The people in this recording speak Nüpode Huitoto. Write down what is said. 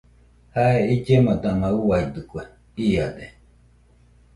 Jae illemo dama uiadɨkue iade.